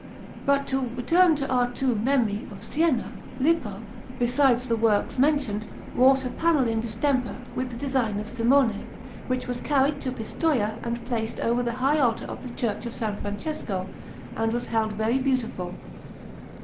Panel_)] But to return to our two Memmi of Siena; Lippo, besides the works mentioned, wrought a panel in distemper, with the design of Simone, which was carried to Pistoia and placed over the high altar of the Church of S. Francesco, and was held very beautiful.